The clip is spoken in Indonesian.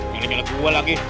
jalan jalan gue lagi